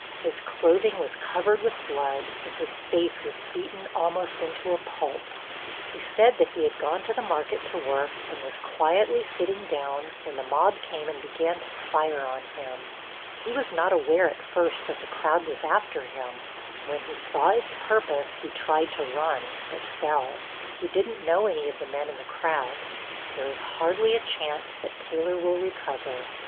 His clothing was covered with blood, and his face was beaten almost into a pulp. He said that he had gone to the market to work and was quietly sitting down when the mob came and began to fire on him. He was not aware at first that the crowd was after him. When he saw its purpose he tried to run, but fell. He didn't know any of the men in the crowd. There is hardly a chance that Taylor will recover.